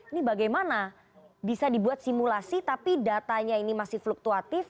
ini bagaimana bisa dibuat simulasi tapi datanya ini masih fluktuatif